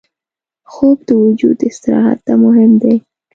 خوب د وجود استراحت ته مهم دی